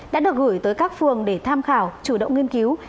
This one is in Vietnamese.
đã được gửi tới các phường để tham khảo chủ động nghiên cứu